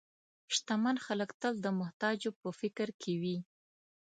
شتمن خلک تل د محتاجو په فکر کې وي.